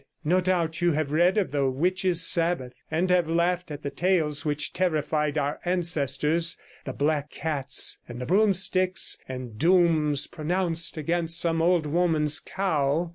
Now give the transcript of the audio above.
No doubt you have read of the Witches' Sabbath, and have laughed at the tales which terrified our ancestors; the black cats, and the broomsticks, and dooms pronounced against some old woman's cow.